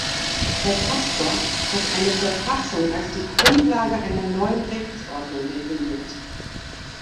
Herr Pasqua hat eine Verfassung als die Grundlage einer neuen Rechtsordnung definiert.